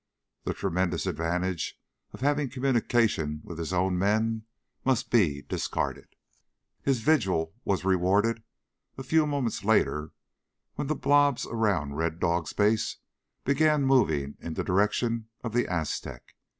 The tremendous advantage of having communication with his own men must be discarded. His vigil was rewarded a few moments later when the blobs around Red Dog's base began moving in the direction of the Aztec.